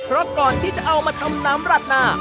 เพราะก่อนที่จะเอามาทำน้ำราดหน้า